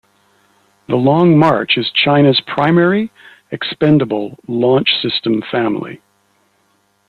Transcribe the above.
The Long March is China's primary expendable launch system family.